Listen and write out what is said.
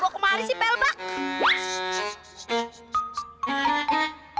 itu tuh dia sharp partner kita milletgat